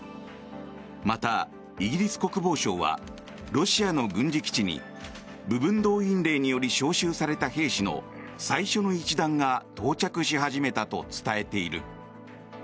また、イギリス国防省はロシアの軍事基地に部分動員令により招集された兵士の最初の一団が到着し始めたと伝えている。